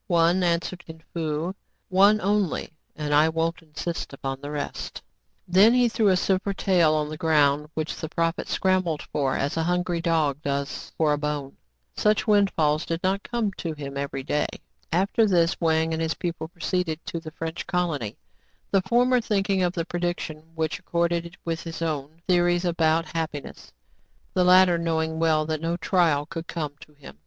" One," answered Kin Fo, " one only, and I won't insist upon the rest." Then he threw a silver tael on the ground, which the prophet scrambled for as a hungry dog does for a bone. Such windfalls did not come to him every day. After this, Wang and his pupil proceeded to the French colony, — the former thinking of the predic tion, which accorded with his own theories about happiness ; the latter knowing well that no trial could come to him.